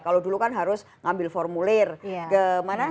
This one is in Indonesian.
kalau dulu kan harus ngambil formulir kemana mana